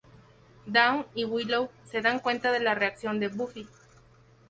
Dawn y Willow se dan cuenta de la reacción de Buffy.